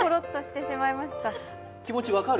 気持ち分かる？